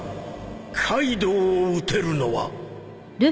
「カイドウを討てるのは」